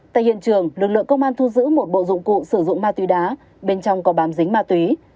tại hiện trường lực lượng công an thu giữ một bộ dụng cụ sử dụng ma túy đá bên trong có bám dính ma túy